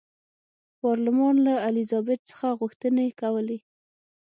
پارلمان له الیزابت څخه غوښتنې کولې.